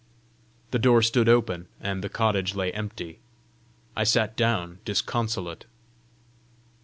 The door stood open, and the cottage lay empty. I sat down disconsolate.